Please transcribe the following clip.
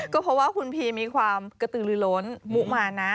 ก็เพราะว่าคุณพีมีความกระตือลือล้นมุมานะ